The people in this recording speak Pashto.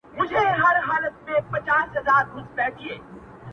زړه راته زخم کړه” زارۍ کومه”